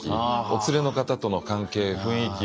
お連れの方との関係雰囲気。